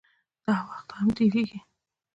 داوخت هم تېريږي